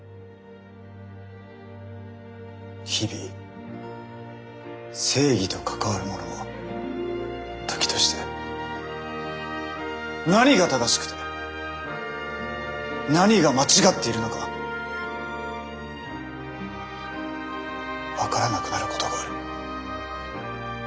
日々正義と関わる者は時として何が正しくて何が間違っているのか分からなくなることがある。